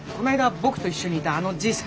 僕と一緒にいたあのじいさん。